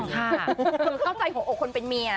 คือเข้าใจของคนเป็นเมีย